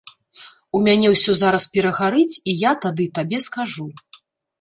У мяне ўсё зараз перагарыць, і я тады табе скажу.